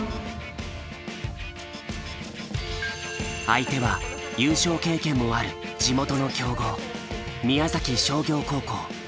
相手は優勝経験もある地元の強豪宮崎商業高校。